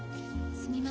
すみません。